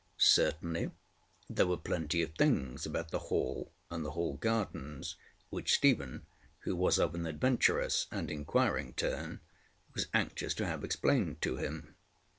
Certainly there were plenty of things about the Hall and the Hall gardens which Stephen, who was of an adventurous and inquiring turn, was anxious to have explained to him.